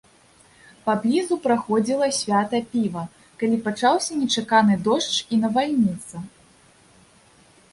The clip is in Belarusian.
Паблізу праходзіла свята піва, калі пачаўся нечаканы дождж і навальніца.